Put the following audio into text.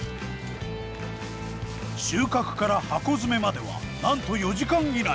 収穫から箱詰めまではなんと４時間以内。